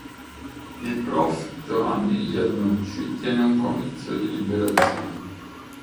Il prof. Giovanni Iannucci tiene un comizio di liberazione.